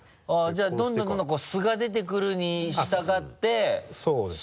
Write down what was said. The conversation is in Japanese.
じゃあどんどんどんどん素が出てくるにしたがってそうですね。